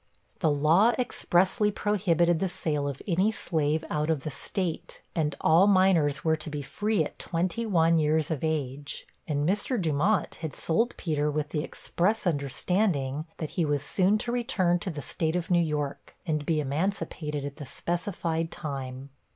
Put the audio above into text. The law expressly prohibited the sale of any slave out of the State, and all minors were to be free at twenty one years of age; and Mr. Dumont had sold Peter with the express understanding, that he was soon to return to the State of New York, and be emancipated at the specified time.